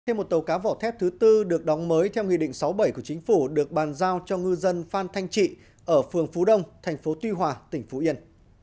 thêm một tàu cá vỏ thép thứ tư được đóng mới theo nguyên định sáu bảy của chính phủ được bàn giao cho ngư dân phan thanh trị ở phường phú đông tp tuy hòa tỉnh phú yên